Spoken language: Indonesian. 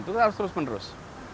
itu harus terus menerus